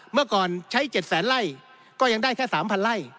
เมื่อก่อนใช้๗แสนไล่ก็ยังได้แค่๓๐๐ไร่